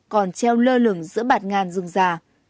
còn treo lơ lửng giữa bạt ngàn rừng già